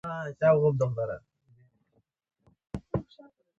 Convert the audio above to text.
د خیرات ډوډۍ ویشل کیږي.